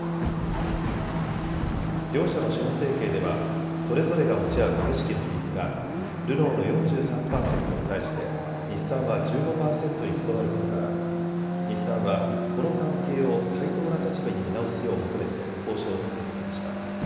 両社の資本提携ではそれぞれが持ち合う株式の比率がルノーの４３％に対して日産は１５％にとどまることから、日産はこの関係を対等な立場に見直すよう求めて交渉を進めてきました。